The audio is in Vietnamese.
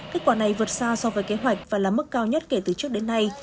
kết quả này vượt xa so với kế hoạch và là mức cao nhất kể từ trước đến nay